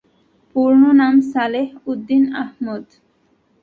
পূর্ণ নাম সালেহ উদ্দিন আহমদ।